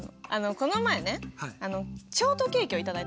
この前ねショートケーキを頂いたんですよ。